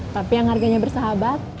tapi yang harganya bersahabat